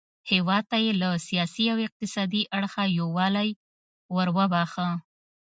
هیواد ته یې له سیاسي او اقتصادي اړخه یووالی وروباښه.